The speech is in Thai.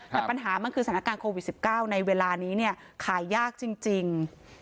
แต่ปัญหามันคือสถานการณ์โควิด๑๙ในเวลานี้เนี่ยขายยากจริง